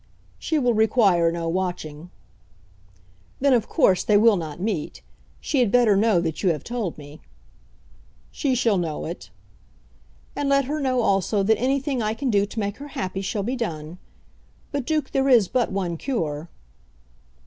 "She will require no watching." "Then of course they will not meet. She had better know that you have told me." "She shall know it." "And let her know also that anything I can do to make her happy shall be done. But, Duke, there is but one cure."